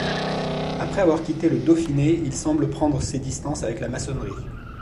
Après avoir quitté le Dauphiné, il semble prendre ses distances avec la maçonnerie.